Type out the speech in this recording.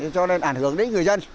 cho nên ảnh hưởng đến người dân